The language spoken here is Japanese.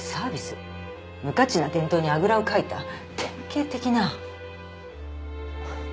無価値な伝統にあぐらをかいた典型的なあっ